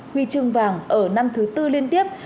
huy chương vàng ở năm thứ bốn liên tiếp